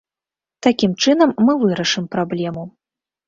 Такім чынам мы вырашым праблему.